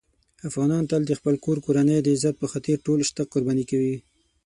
افغانان تل د خپل کور کورنۍ د عزت په خاطر ټول شته قرباني کوي.